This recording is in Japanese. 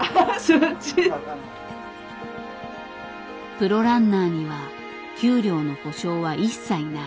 プロランナーには給料の保証は一切ない。